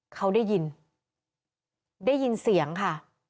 เขาได้ยินได้ยินเสียงค่ะ